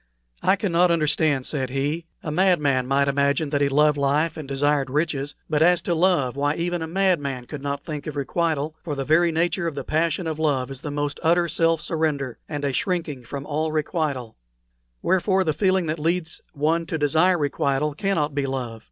"I cannot understand," said he. "A madman might imagine that he loved life and desired riches; but as to love, why even a madman could not think of requital, for the very nature of the passion of love is the most utter self surrender, and a shrinking from all requital; wherefore, the feeling that leads one to desire requital cannot be love.